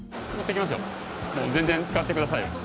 全然使ってください。